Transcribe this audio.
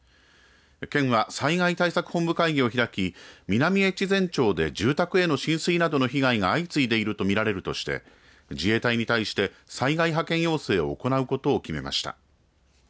県は災害対策本部会議を開き南越前町で住宅への浸水などの被害が相次いでいるとみられるとして自衛隊に対して災害派遣要請を行うことを決めました。